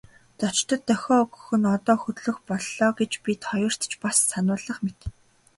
Зорчигчдод дохио өгөх нь одоо хөдлөх боллоо гэж бид хоёрт ч бас сануулах мэт.